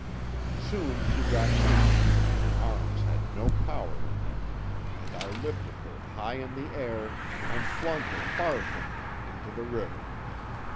"Soon she got weak, and her arms had no power in them, and I lifted her high in the air, and flung her far from me into the river.